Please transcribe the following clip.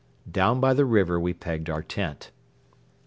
Down by the river we pegged our tent.